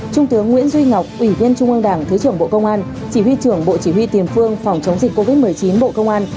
trung tướng nguyễn duy ngọc ủy viên trung ương đảng thứ trưởng bộ công an chỉ huy trưởng bộ chỉ huy tiền phương phòng chống dịch covid một mươi chín bộ công an